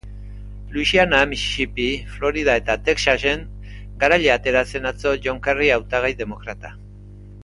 Louisiana, Mississippi, Florida eta Texasen garaile atera zen atzo John Kerry hautagai demokrata.